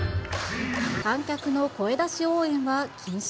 観客の声出し応援は禁止。